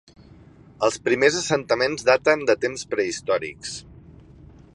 Els primers assentaments daten de temps prehistòrics.